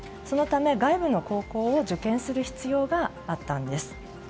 そのため、外部の高校を受験する必要があったんです。